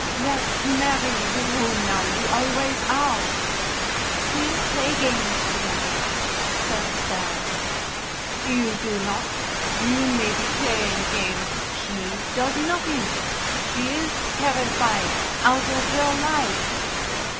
"That Mary with whom now you always are." "We play games together," said Sarah. "You do not. You may be playing a game she does nothing. She is terrified out of her life."